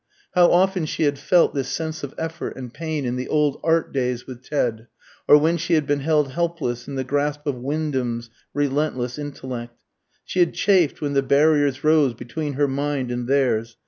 How often she had felt this sense of effort and pain in the old "art" days with Ted, or when she had been held helpless in the grasp of Wyndham's relentless intellect. She had chafed when the barriers rose between her mind and theirs.